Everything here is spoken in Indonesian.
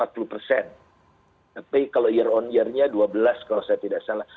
tapi kalau year on year nya dua belas kalau saya tidak salah